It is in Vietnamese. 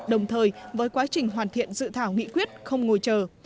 đồng thời với quá trình hoàn thiện dự thảo nghị quyết không ngồi chờ